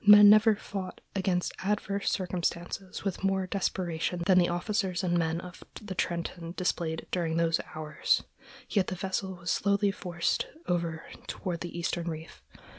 Men never fought against adverse circumstances with more desperation than the officers and men of the Trenton displayed during those hours, yet the vessel was slowly forced over toward the eastern reef.